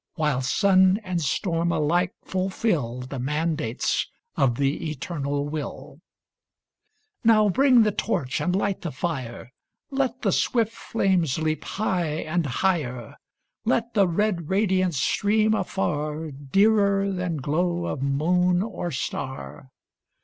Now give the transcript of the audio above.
While sun and storm alike fulfil The mandates of the Eternal Will ! Now bring the torch and light the fire, ^ Let the swift flames leap high and higher, THE FIRST FIRE 435 Let the red radiance stream afar, Dearer than glow of moon or star